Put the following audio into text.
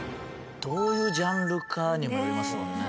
どういうジャンルかにもよりますもんね。